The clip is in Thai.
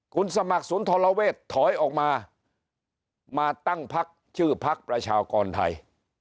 คุณสมัครศูนย์ธราเวทย์ถอยออกมามาตั้งภักดิ์ชื่อภักดิ์ประชากรไทย